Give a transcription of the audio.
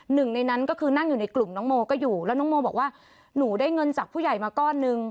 หนึ่งในนั้นก็คือนั่งอยู่ในกลุ่มน้องโมก็อยู่แล้วน้องโมบอกว่าหนูได้เงินจากผู้ใหญ่มาก้อนหนึ่ง